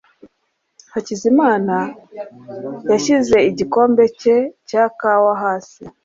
hakizamana yashyize igikombe cye cya kawa hasi.